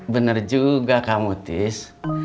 bener juga kamu tis